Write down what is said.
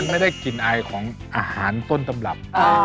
ไม่ได้กลิ่นไอของอาหารต้นตำรับ